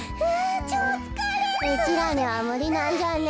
うちらにはむりなんじゃね？